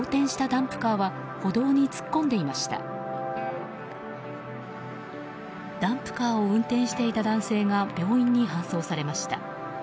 ダンプカーを運転していた男性が病院に搬送されました。